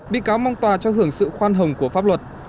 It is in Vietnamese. bị cáo mong tòa cho hưởng sự khoan hồng của pháp luật